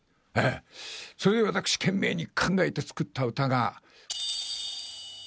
それで私、懸命に考えて作った歌が×××。